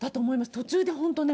途中で本当ね、